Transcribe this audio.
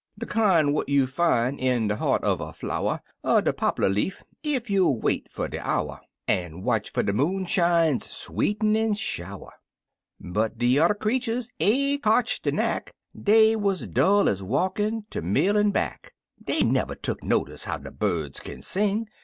De km' what you fin' in de heart uv a flower, Er de poplar leaf, ef you'll wait fer de hour, An' watch fer de moonshine's sweetenin' showerl But de yuther creeturs ain't cotch de knack, Dey wuz dull ez walkin' ter mill an' back; Dey never tuck notice how de birds kin sing.